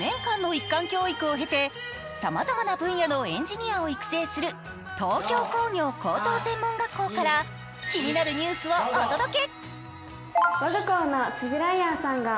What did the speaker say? さまざまな分野のエンジニアを育成する東京工業高等専門学校から気になるニュースとお届け！